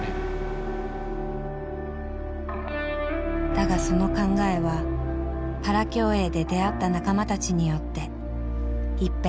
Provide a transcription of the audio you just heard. だがその考えはパラ競泳で出会った仲間たちによって一変した。